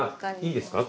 いいですか？